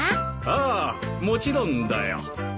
ああもちろんだよ。